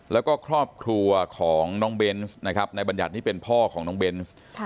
แล้วก็ครอบครัวของน้องเบนส์นะครับนายบัญญัตินี่เป็นพ่อของน้องเบนส์